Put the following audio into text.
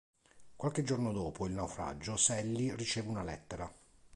Qualche giorno dopo il naufragio Sally riceve una lettera.